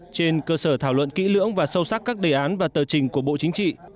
trên cơ sở thảo luận kỹ lưỡng và sâu sắc các đề án và tờ trình của bộ chính trị